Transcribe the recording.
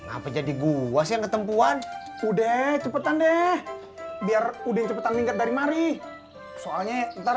apa jadi gua sih yang ketempuan udah cepetan deh biar udah cepetan lingkar dari mari soalnya ntar